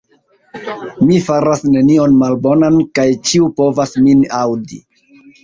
Mi faras nenion malbonan, kaj ĉiu povas min aŭdi.